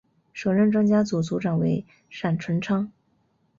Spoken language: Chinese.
首任专家组组长为闪淳昌。